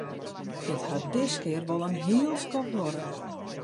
It hat diskear wol in heel skoft duorre.